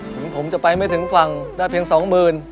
ถึงผมจะไปไม่ถึงฝั่งได้เพียงสองหมื่น